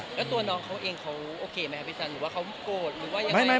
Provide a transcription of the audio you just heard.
แล้วตัวน้องเขาเองเขาโอเคไหมครับพี่จันทร์หรือว่าเขาโกรธหรือว่ายังไง